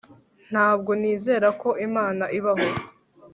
Ntabwo nizera ko Imana ibaho